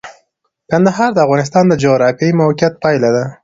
کندهار د افغانستان د جغرافیایي موقیعت پایله ده.